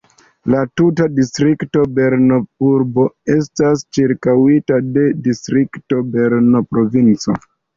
La tuta distrikto Brno-urbo estas ĉirkaŭita de distrikto Brno-provinco.